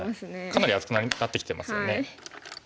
かなり厚くなってきてますよね。